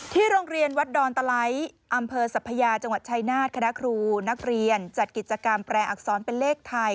โรงเรียนวัดดอนตะไร้อำเภอสัพพยาจังหวัดชายนาฏคณะครูนักเรียนจัดกิจกรรมแปรอักษรเป็นเลขไทย